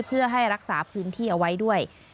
เพื่อให้รักษาพื้นที่เอาไว้ด้วย